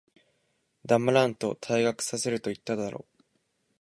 黙らんと、退学させると言っただろ。